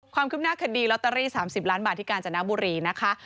ความคืบหน้าคดีลอตเตอรี่๓๐ล้านบาทที่กาญจนบุรีนะคะ